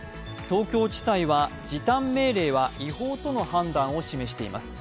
東京地裁は、時短命令は違法との判断を示しています。